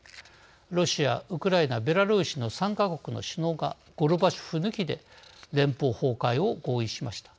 ロシア、ウクライナベラルーシの３か国の首脳がゴルバチョフ抜きで連邦崩壊を合意しました。